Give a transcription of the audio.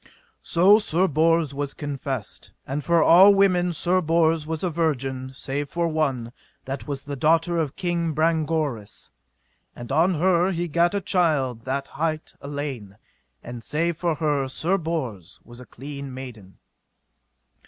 So Sir Bors was confessed, and for all women Sir Bors was a virgin, save for one, that was the daughter of King Brangoris, and on her he gat a child that hight Elaine, and save for her Sir Bors was a clean maiden.